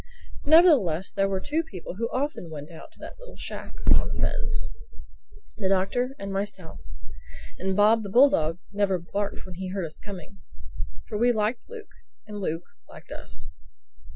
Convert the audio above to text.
Nevertheless there were two people who often went out to that little shack on the fens: the Doctor and myself. And Bob, the bulldog, never barked when he heard us coming. For we liked Luke; and Luke liked us.